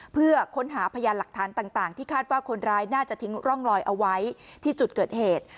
เพื่อค้นหาพยานหลักฐานต่างที่คาดว่าคนร้ายน่าจะทิ้งร่องลอยเอาไว้ที่จุดเกิดเหตุ